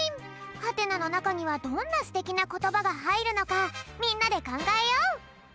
はてなのなかにはどんなすてきなことばがはいるのかみんなでかんがえよう！